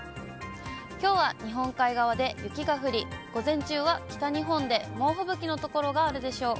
きょうは日本海側で雪が降り、午前中は北日本で猛吹雪の所があるでしょう。